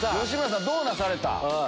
吉村さんどうなされた？